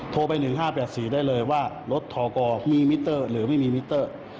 โทรไป๑๕๘๔ได้เลยว่ารถทกมีมิเตอร์หรือไม่มีมิเตอร์